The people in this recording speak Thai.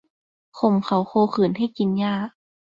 ข่มเขาโคขืนให้กินหญ้า